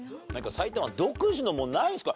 埼玉独自のものないですか？